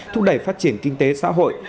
thúc đẩy phát triển kinh tế xã hội